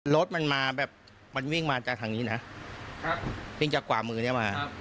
รถมันมาแบบมันวิ่งมาจากทางนี้นะวิ่งจากขวามือนี้มา